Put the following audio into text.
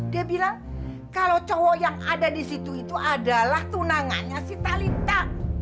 dia bilang kalau cowok yang ada di situ itu adalah tunangannya si talenta